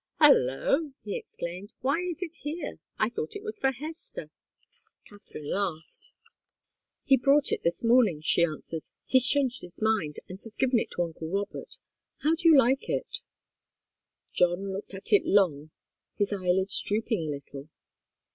"Holloa!" he exclaimed. "Why is it here? I thought it was for Hester." Katharine laughed. "He brought it this morning," she answered. "He's changed his mind, and has given it to uncle Robert. How do you like it?" John looked at it long, his eyelids drooping a little.